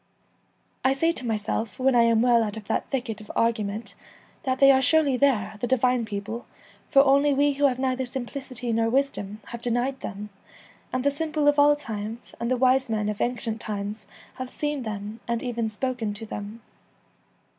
I say to myself, when I am well out of that thicket of argu ment, that they are surely there, the divine people, for only we who have neither simplicity nor wisdom have denied them, and the simple of all times and the wise men of ancient times have seen them and even spoken to them.